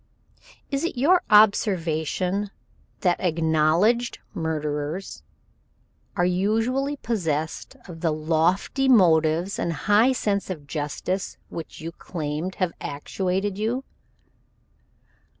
"Is it your observation that acknowledged murderers are usually possessed of the lofty motives and high sense of justice which you claim have actuated you?"